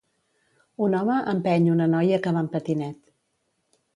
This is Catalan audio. Un home empeny una noia que va en patinet